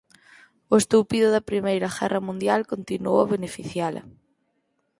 O estoupido da Primeira Guerra Mundial continuou a beneficiala.